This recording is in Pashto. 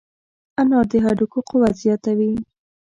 انار د هډوکو قوت زیاتوي.